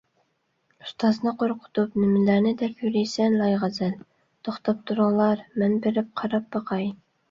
ئۇستازنى قورقۇتۇپ نېمىلەرنى دەپ يۈرىسەن، لايغەزەل! توختاپ تۇرۇڭلار، مەن بېرىپ قاراپ باقاي.